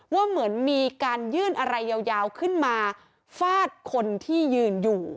ว่าเหมือนมีการยื่นอะไรยาวขึ้นมาฟาดคนที่ยืนอยู่